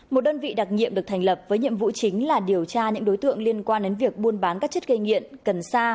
một đơn vị đặc nhiệm được thành lập với nhiệm vụ chính là điều tra những đối tượng liên quan đến việc buôn bán các chất gây nghiện cần sa